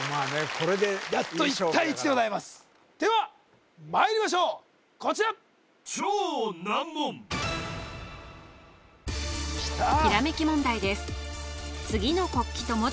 これでいい勝負だからやっと１対１でございますではまいりましょうこちらひらめき問題です